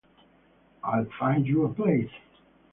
I'll find you a place.